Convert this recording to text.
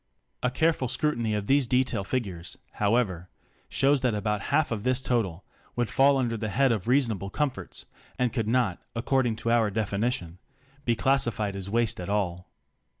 A careful scrutiny of these detail figures, however, shows that about half of this total would fall under the head of reasonable comforts, and could not, according to our definition, be classified as waste at all.